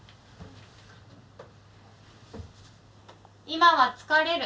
今は疲れる？